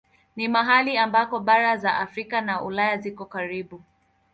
Ni mahali ambako bara za Afrika na Ulaya ziko karibu.